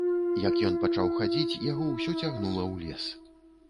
Як ён пачаў хадзіць, яго ўсё цягнула ў лес.